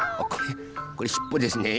これしっぽですね。